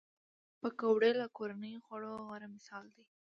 پکورې له کورني خوړو غوره مثال دی